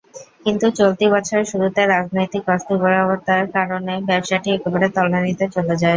কিন্তু চলতি বছরের শুরুতে রাজনৈতিক অস্থিরতার কারণে ব্যবসাটি একেবারে তলানিতে চলে যায়।